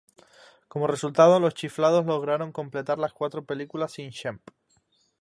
Como resultado, los Chiflados lograron completar las cuatro películas sin Shemp.